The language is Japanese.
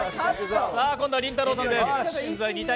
今度はりんたろーさんです。